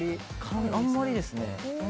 あんまりですね。